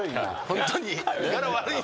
ホントに。